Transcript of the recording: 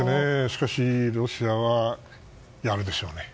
しかし、ロシアはやるでしょうね。